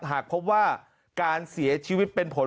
หากพบว่าการเสียชีวิตเป็นผล